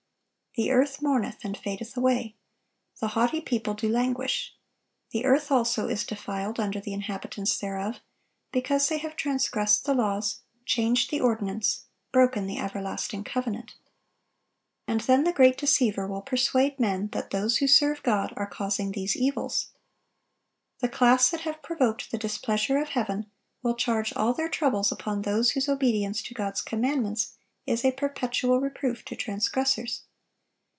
"The earth mourneth and fadeth away," "the haughty people ... do languish. The earth also is defiled under the inhabitants thereof; because they have transgressed the laws, changed the ordinance, broken the everlasting covenant."(1025) And then the great deceiver will persuade men that those who serve God are causing these evils. The class that have provoked the displeasure of Heaven will charge all their troubles upon those whose obedience to God's commandments is a perpetual reproof to transgressors.